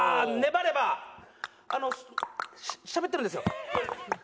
しゃべってるんですよ。